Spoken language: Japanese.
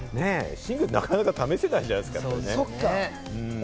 寝具ってなかなか試せないじゃないですか。